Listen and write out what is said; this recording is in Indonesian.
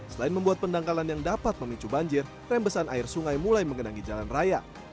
selain membuat pendangkalan yang dapat memicu banjir rembesan air sungai mulai mengenangi jalan raya